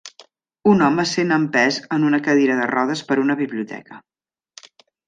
Un home sent empès en una cadira de rodes per una biblioteca.